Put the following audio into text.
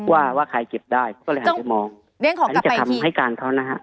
ว่าว่าใครเก็บได้ก็เลยหันไปมองเรียกของกลับไปทีอันนี้จะทำให้การเขานะฮะ